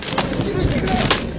許してくれ！